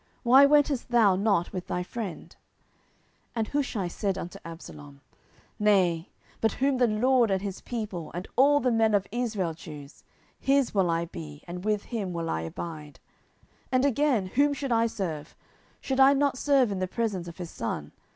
why wentest thou not with thy friend? 10:016:018 And Hushai said unto Absalom, Nay; but whom the LORD, and this people, and all the men of Israel, choose, his will I be, and with him will I abide. 10:016:019 And again, whom should I serve? should I not serve in the presence of his son?